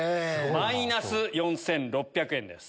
マイナス４６００円です。